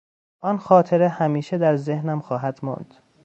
آن خاطره همیشه در ذهنم خواهد ماند.